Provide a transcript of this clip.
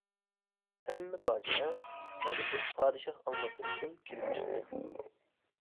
ھەممە پاجىئە ئەنە شۇ پادىشاھ ئالماشتۇرۇشتىن كېلىپ چىقتى.